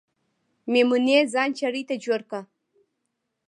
میمونۍ ځان چړې ته جوړ که